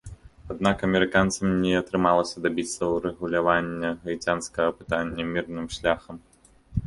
Аднак амерыканцам не атрымалася дабіцца ўрэгулявання гаіцянскага пытання мірным шляхам.